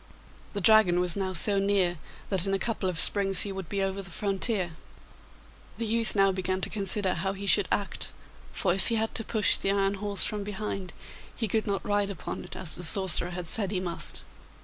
The Dragon was now so near that in a couple of springs he would be over the frontier. The youth now began to consider how he should act, for if he had to push the iron horse from behind he could not ride upon it as the sorcerer had said he must.